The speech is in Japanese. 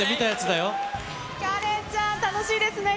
カレンちゃん、楽しいですね。